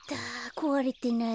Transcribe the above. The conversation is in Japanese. こわれてない。